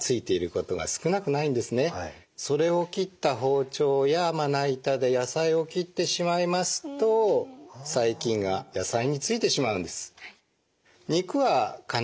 それを切った包丁やまな板で野菜を切ってしまいますと細菌が野菜についてしまうんです。